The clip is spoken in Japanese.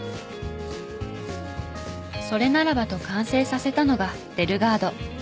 それならばと完成させたのがデルガード。